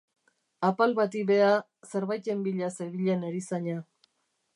Apal bati beha, zerbaiten bila zebilen erizaina.